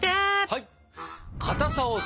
はい！